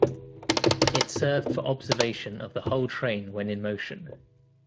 It served for observation of the whole train when in motion.